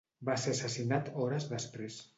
Va ser assassinat hores després.